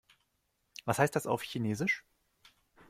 Was heißt das auf Chinesisch?